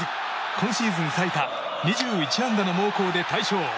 今シーズン最多の２１安打の猛攻で大勝。